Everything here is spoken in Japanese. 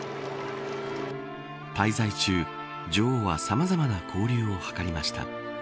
滞在中、女王はさまざまな交流を図りました。